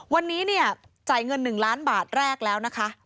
วันนี้เนี่ยจ่ายเงิน๑ล้านบาทแรกแล้วนะคะ